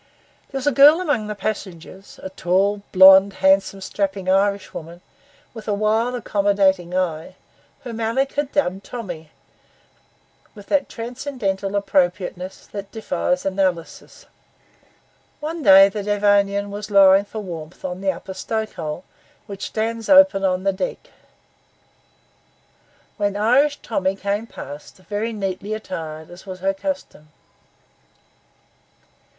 There was a girl among the passengers, a tall, blonde, handsome, strapping Irishwoman, with a wild, accommodating eye, whom Alick had dubbed Tommy, with that transcendental appropriateness that defies analysis. One day the Devonian was lying for warmth in the upper stoke hole, which stands open on the deck, when Irish Tommy came past, very neatly attired, as was her custom.